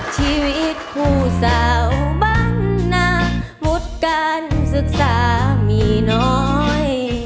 ชีวิตผู้สาวบ้างนะมุดการศึกษามีน้อย